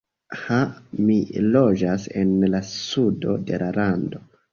Ha, mi loĝas en la sudo de la lando.